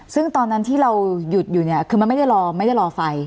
ซึ่งตอนนั้นที่เราหยุดอยู่เนี่ยคือมันไม่ได้รอไม่ได้รอไฟ